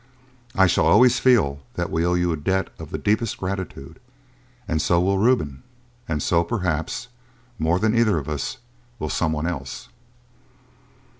I shall always feel that we owe you a debt of the deepest gratitude, and so will Reuben, and so, perhaps, more than either of us, will someone else."